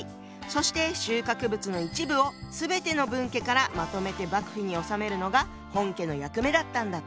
そして収穫物の一部を全ての分家からまとめて幕府に納めるのが本家の役目だったんだって。